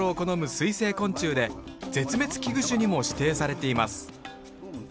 水生昆虫で絶滅危惧種にも指定されています